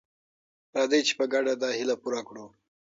راځئ چې په ګډه دا هیله پوره کړو.